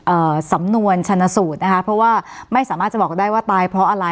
สำนวนชนสูตรนะคะเพราะว่าไม่สามารถจะบอกได้ว่าตายเพราะอะไร